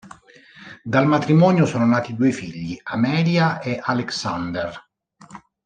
Dal matrimonio sono nati due figli, Amelia e Alexander.